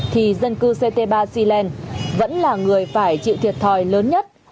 thì dân cư ct ba ziland vẫn là người phải chịu thiệt thòi lớn nhất